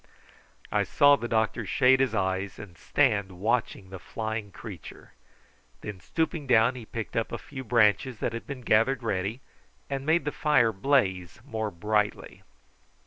I saw the doctor shade his eyes and stand watching the flying creature. Then stooping down he picked up a few branches that had been gathered ready, and made the fire blaze more brightly.